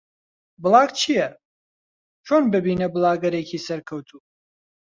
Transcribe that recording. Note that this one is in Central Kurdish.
بڵاگ چییە؟ چۆن ببینە بڵاگەرێکی سەرکەوتوو؟